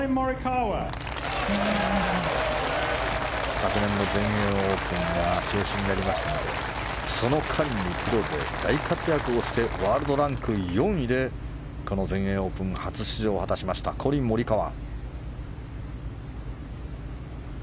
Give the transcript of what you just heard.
昨年の全英オープンは中止になりましたがその間にプロで大活躍をしてワールドランク４位でこの全英オープン初出場を果たしましたコリン・モリカワ。